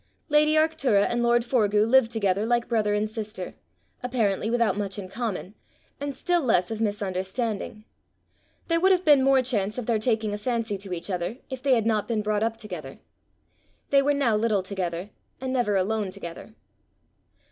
Lady Arctura and lord Forgue lived together like brother and sister, apparently without much in common, and still less of misunderstanding. There would have been more chance of their taking a fancy to each other if they had not been brought up together; they were now little together, and never alone together.